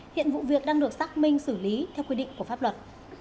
hiện vụ việc đang được xác minh xử lý theo quy định của pháp luật